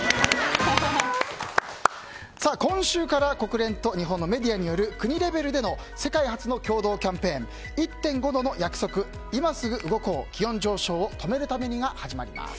今週から国連と日本のメディアによる国レベルでの世界初の共同キャンペーン「１．５℃の約束‐いますぐ動こう、気温上昇を止めるために。」が始まります。